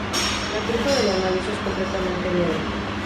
La trufa de la nariz es completamente negra.